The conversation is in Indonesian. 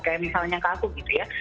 kayak misalnya kaku gitu ya